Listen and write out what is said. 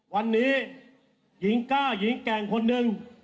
วันนี้หญิงก้าหญิงแก่งคนหนึ่ง